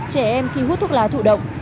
trẻ em khi hút thuốc lá thụ động